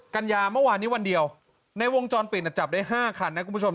กัญญาเมื่อวานนี้วันเดียวในวงจรปิดจับได้๕คันนะคุณผู้ชม